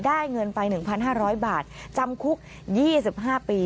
ได้เงินไปหนึ่งพันห้าร้อยบาทจำคุกยี่สิบห้าปี